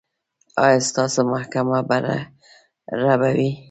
ایا ستاسو محکمه به رڼه وي؟